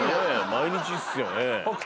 毎日っすよね。